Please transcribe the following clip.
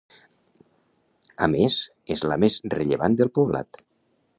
A més, és la més rellevant del Poblat.